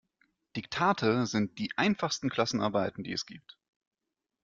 Diktate sind die einfachsten Klassenarbeiten, die es gibt.